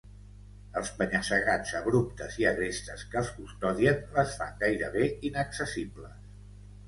Els penya-segats abruptes i agrestes que els custodien les fan gairebé inaccessibles.